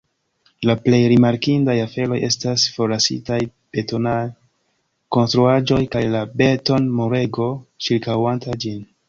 La plej rimarkindaj aferoj estas forlasitaj betonaj konstruaĵoj kaj la beton-murego ĉirkaŭanta ĝin.